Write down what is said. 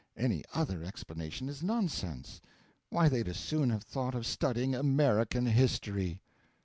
Any other explanation is nonsense why, they'd as soon have thought of studying American history.